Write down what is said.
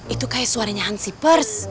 itu kayak suaranya ansi pers